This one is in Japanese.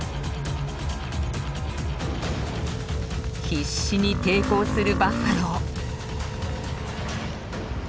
必死に抵抗するバッファロー。